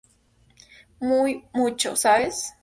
Muy mucho, ¿sabes?